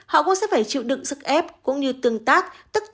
họ cũng sẽ phải chịu đựng sức ép cũng như tương tác tức tỷ lệ thuận với mức độ nổi tiếng